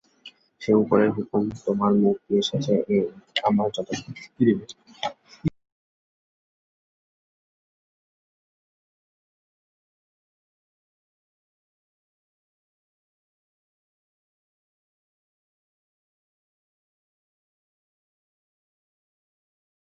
সেই উপরের হুকুম তোমার মুখ দিয়ে এসেছে এই আমার যথেষ্ট।